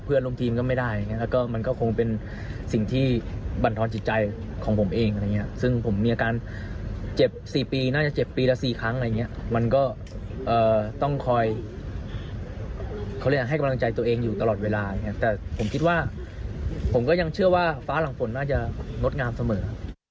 โปรดติดตามตอนต่อไป